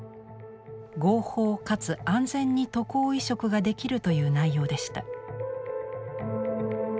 合法かつ安全に渡航移植ができるという内容でした。